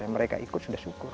mereka ikut sudah syukur